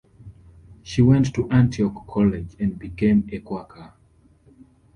She went to Antioch College and became a Quaker.